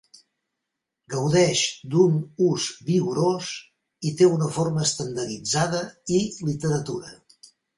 Gaudeix d'un ús vigorós i té una forma estandarditzada i literatura.